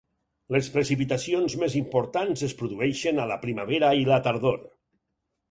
Les precipitacions més importants es produeixen a la primavera i la tardor.